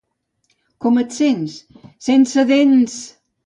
—Com et sents? —Sense dents!